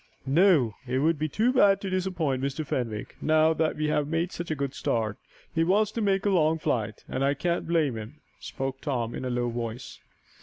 "No, it would be too bad to disappoint Mr. Fenwick, now that we have made such a good start. He wants to make a long flight, and I can't blame him," spoke Tom, in a low voice.